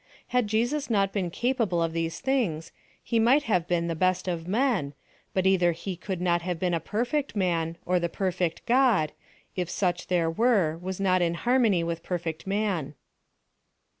Had Jesus not been capable of these things, he might have been the best of men, but either he could not have been a perfect man, or the perfect God, if such there were, was not in harmony with the perfect man.